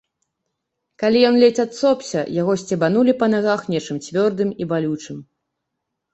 Калі ён ледзь адсопся, яго сцебанулі па нагах нечым цвёрдым і балючым.